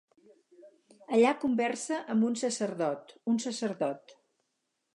Allà conversa amb un sacerdot, un sacerdot.